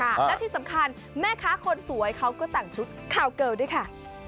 และที่สำคัญแม่ค้าคนสวยเขาก็แต่งชุดคาวเกิลด้วยค่ะ